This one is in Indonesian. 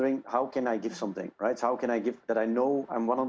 ini akan menuju orang yang benar